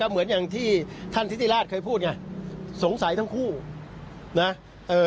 เหมือนอย่างที่ท่านทิติราชเคยพูดไงสงสัยทั้งคู่นะเอ่อ